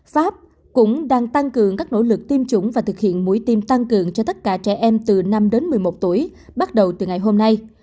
pháp cũng đang tăng cường các nỗ lực tiêm chủng và thực hiện mũi tiêm tăng cường cho tất cả trẻ em từ năm đến một mươi một tuổi bắt đầu từ ngày hôm nay